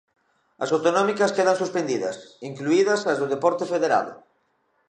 As autonómicas quedan suspendidas, incluídas as do deporte federado.